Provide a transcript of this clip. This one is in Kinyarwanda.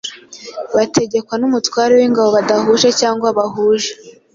bategekwa n'umutware w'ingabo badahuje cyangwa bahuje.